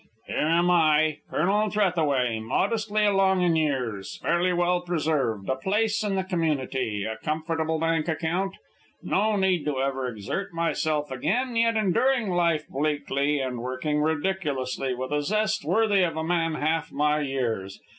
"Here am I, Colonel Trethaway, modestly along in years, fairly well preserved, a place in the community, a comfortable bank account, no need to ever exert myself again, yet enduring life bleakly and working ridiculously with a zest worthy of a man half my years.